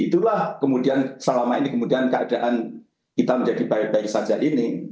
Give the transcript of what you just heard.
itulah kemudian selama ini kemudian keadaan kita menjadi baik baik saja ini